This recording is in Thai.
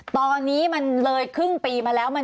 ตอนนี้มันเลยครึ่งปีมาแล้ว